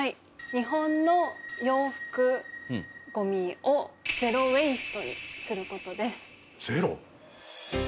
日本の洋服ごみをゼロ・ウェイストにする事です。